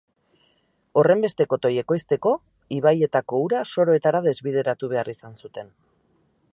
Horrenbeste kotoi ekoizteko ibaietako ura soroetara desbideratu behar izan zuten.